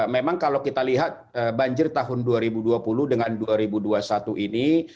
memang kalau kita lihat banjir tahun dua ribu dua puluh dengan dua ribu dua puluh satu ini